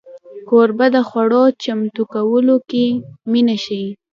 کوربه د خوړو چمتو کولو کې مینه ښيي.